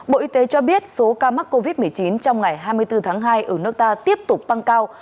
bộ y tế cho biết số ca mắc covid một mươi chín trong ngày hai mươi bốn tháng hai ở nước ta tiếp tục tăng cao